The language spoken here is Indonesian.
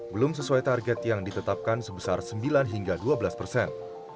belum sesuai target yang ditetapkan sebesar sembilan hingga dua belas persen